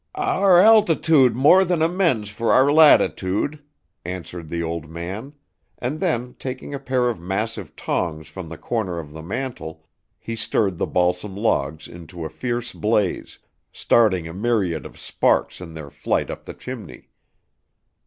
"Our altitude more than amends for our latitude," answered the old man; and then, taking a pair of massive tongs from the corner of the mantel, he stirred the balsam logs into a fierce blaze, starting a myriad of sparks in their flight up the chimney.